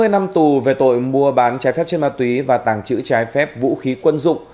hai mươi năm tù về tội mua bán trái phép chất ma túy và tàng trữ trái phép vũ khí quân dụng